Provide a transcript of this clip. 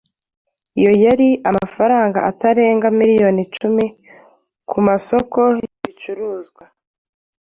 iyo ari amafaranga atarenga miliyoni icumi ku masoko y’ibicuruzwa;